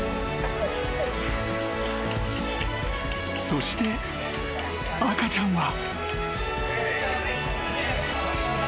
［そして赤ちゃんは］